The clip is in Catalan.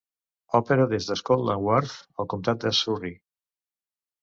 Opera des de Scotland Wharf, al comtat de Surry.